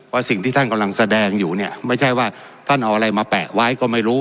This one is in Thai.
สิ่งที่ท่านกำลังแสดงอยู่เนี่ยไม่ใช่ว่าท่านเอาอะไรมาแปะไว้ก็ไม่รู้